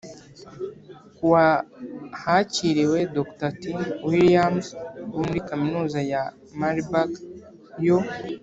Kuwa hakiriwe Dr Tim Williams wo muri Kaminuza ya Marburg yo